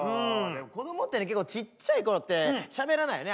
子どもって結構ちっちゃい頃ってしゃべらないよね